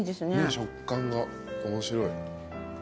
食感が面白い。